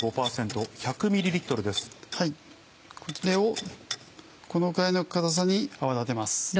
これをこのくらいのかたさに泡立てます。